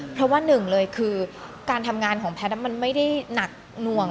เพราะว่าหนึ่งเลยคือการทำงานของแพทย์มันไม่ได้หนักหน่วง